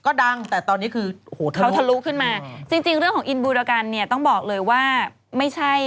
ก็ดังแต่ตอนนี้คือเขาถลุคุณเป๊กเจอเรื่องของอินบูรกัณฑ์เนี่ย